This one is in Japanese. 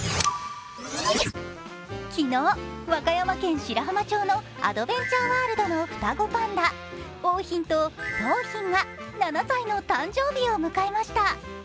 昨日、和歌山県白浜町のアドベンチャーワールドの双子のパンダ、桜浜と桃浜が７歳の誕生日を迎えました。